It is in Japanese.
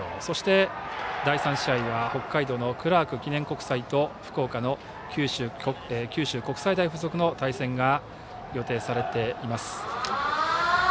そして、第３試合は北海道のクラーク記念国際と福岡の九州国際大付属の対戦が予定されています。